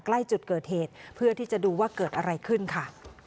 ใกล้จุดเกิดเหตุเพื่อที่จะดูว่าเกิดอะไรขึ้นค่ะ